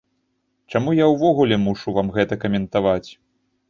Чаму я ўвогуле мушу вам гэта каментаваць?